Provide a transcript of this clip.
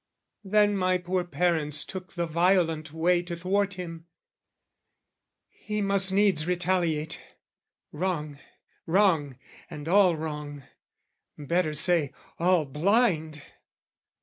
Then my poor parents took the violent way To thwart him, he must needs retaliate, wrong, Wrong, and all wrong, better say, all blind!